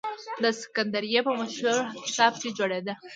د سکندریه په مشهور کتابتون کې جوړېده.